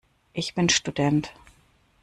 Ich bin Student.